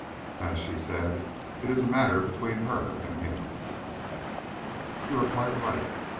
As she said, it is a matter between her and him." "You are quite right.